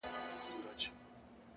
و موږ ته يې د زلفو ښاماران مبارک _